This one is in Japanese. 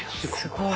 すごい。